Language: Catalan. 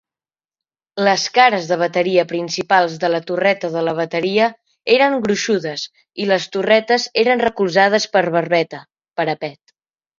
Les cares de bateria principals de la torreta de la bateria eren gruixudes i les torretes eren recolzades per barbeta (parapet).